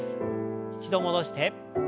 一度戻して。